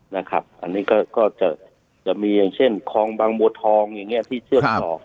นะครับอันนี้ก็จะมีอย่างเช่นคลองบางบัวทองอย่างนี้ที่เชื่อมต่อ